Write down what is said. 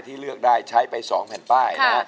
เลือกได้ใช้ไป๒แผ่นป้ายนะฮะ